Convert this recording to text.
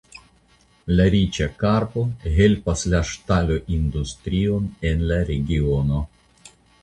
La riĉa karbo helpas la ŝtaloindustrion en la regiono.